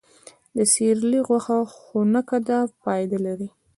د سیرلي غوښه خونکه ده، فایده لري.